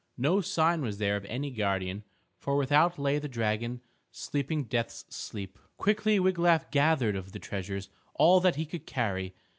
No sign was there of any guardian, for without lay the dragon, sleeping death's sleep. Quickly Wiglaf gathered of the treasures all that he could carry.